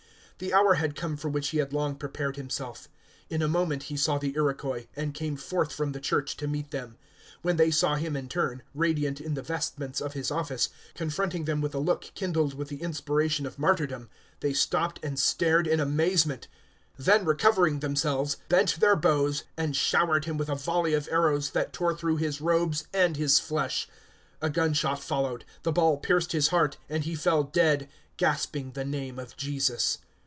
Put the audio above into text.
The hour had come for which he had long prepared himself. In a moment he saw the Iroquois, and came forth from the church to meet them. When they saw him in turn, radiant in the vestments of his office, confronting them with a look kindled with the inspiration of martyrdom, they stopped and stared in amazement; then recovering themselves, bent their bows, and showered him with a volley of arrows, that tore through his robes and his flesh. A gunshot followed; the ball pierced his heart, and he fell dead, gasping the name of Jesus.